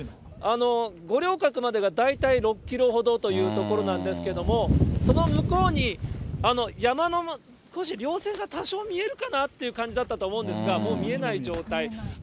五稜郭までが大体６キロほどというところなんですけども、その向こうに、山の少しりょう線が多少見えるかなっていう感じだったと思うんですが、もう見えない状態。